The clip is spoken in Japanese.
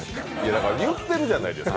だから、言ってるじゃないですか。